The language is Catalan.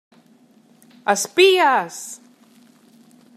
Espies!